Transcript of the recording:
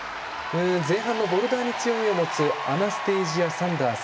前半のボルダーに強みを持つアナステイジア・サンダース